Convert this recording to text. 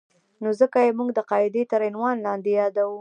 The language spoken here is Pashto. نو ځکه یې موږ د قاعدې تر عنوان لاندې یادوو.